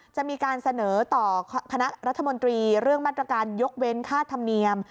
จะมีการเสนอต่อคณะรัฐมนตรีเรื่องมาตรการยกเว้นค่าธรรมเนียม